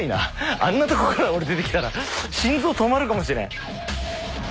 あんなとこから出てきたら心臓止まるかもしれん。